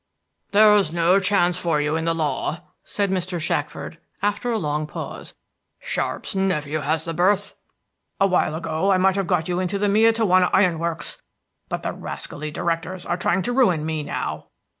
"There's no chance for you in the law," said Mr. Shackford, after a long pause. "Sharpe's nephew has the berth. A while ago I might have got you into the Miantowona Iron Works; but the rascally directors are trying to ruin me now.